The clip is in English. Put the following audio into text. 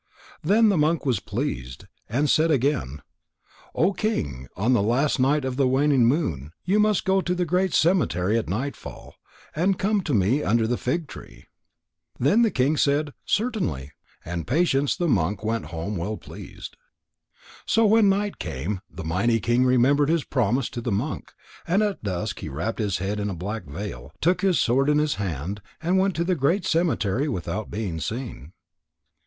Then the monk was pleased, and said again: "O King, on the last night of the waning moon, you must go to the great cemetery at nightfall, and come to me under the fig tree." Then the king said "Certainly," and Patience, the monk, went home well pleased. So when the night came, the mighty king remembered his promise to the monk, and at dusk he wrapped his head in a black veil, took his sword in his hand, and went to the great cemetery without being seen.